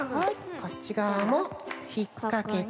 こっちがわもひっかけて。